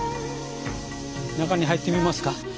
中に入ってみますか？